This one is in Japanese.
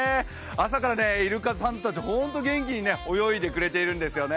朝からイルカさんたち、ホントに元気に泳いでくれてるんですよね。